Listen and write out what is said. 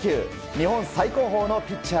日本最高峰のピッチャー